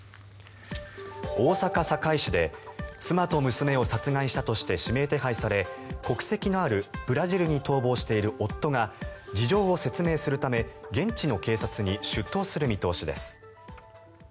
大阪・堺市で妻と娘を殺害したとして指名手配され、国籍のあるブラジルに逃亡している夫が事情を説明するため現地の警察に出頭する見通しです。